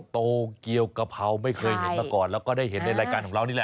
โตเกียวกะเพราไม่เคยเห็นมาก่อนแล้วก็ได้เห็นในรายการของเรานี่แหละ